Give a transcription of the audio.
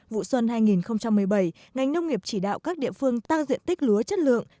vụ xuân hai nghìn một mươi bảy ngành nông nghiệp chỉ đạo các địa phương tăng diện tích lúa chất lượng